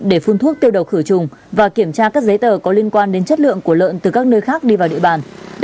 để phun thuốc tiêu độc khử trùng và kiểm tra các giấy tờ có liên quan đến chất lượng của lợn từ các nơi khác đi vào địa bàn